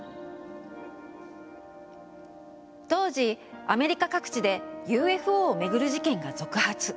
当時アメリカ各地でＵＦＯをめぐる事件が続発。